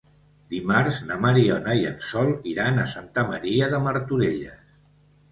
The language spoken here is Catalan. Dimarts na Mariona i en Sol iran a Santa Maria de Martorelles.